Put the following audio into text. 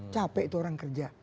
capek tuh orang kerja